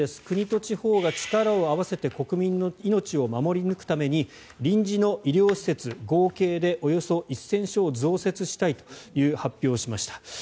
国と地方が力を合わせて国民の命を守り抜くために臨時の医療施設合計でおよそ１０００床を増設したいと発表をしました。